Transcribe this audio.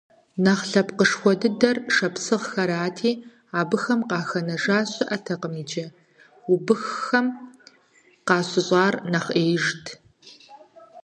Нэхъ лъэпкъышхуэ дыдэр шапсыгъхэрати, абыхэм къахэнэжа щыӀэкъым иджы, убыххэм къащыщӀар нэхъ Ӏеижщ.